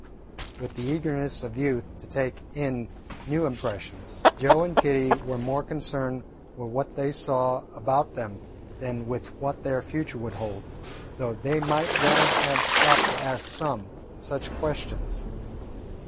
With the eagerness of youth to take in new impressions, Joe and Kitty were more concerned with what they saw about them than with what their future would hold, though they might well have stopped to ask some such questions.